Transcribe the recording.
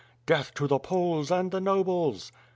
"Death to the Poles, and the nobles!"